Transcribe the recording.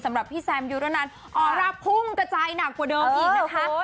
สำหรับพี่แซมยุรนันออร่าพุ่งกระจายหนักกว่าเดิมอีกนะคะ